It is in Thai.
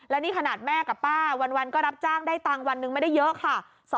แล้วนี่ขนาดแม่กับป้าวันก็รับจ้างได้ตังค์วันหนึ่งไม่ได้เยอะค่ะ